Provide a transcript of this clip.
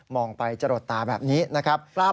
องไปจรดตาแบบนี้นะครับ